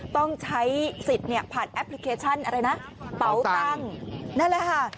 ต้องใช้สิทธิ์เนี่ยผ่านแอปพลิเคชันอะไรนะเป๋าตังค์นั่นแหละค่ะ